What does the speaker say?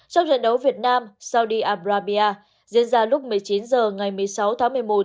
trong trận đấu việt nam saudi abrabia diễn ra lúc một mươi chín h ngày một mươi sáu tháng một mươi một